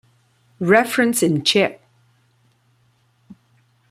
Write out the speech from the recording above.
Reference in Czech.